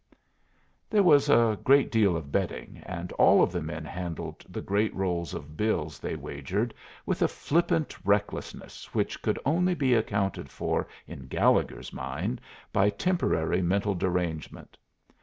There was a great deal of betting, and all of the men handled the great rolls of bills they wagered with a flippant recklessness which could only be accounted for in Gallegher's mind by temporary mental derangement.